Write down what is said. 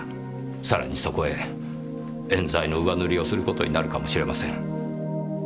さらにそこへ冤罪の上塗りをする事になるかもしれません。